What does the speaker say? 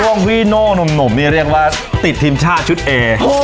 ต้องบอกว่าช่วงพี่โน่หนุ่มเรียกว่าติดทีมชาติชุดเอ